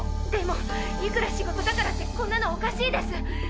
でもいくら仕事だからってこんなのおかしいです。